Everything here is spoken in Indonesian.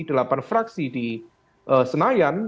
delapan fraksi di senayan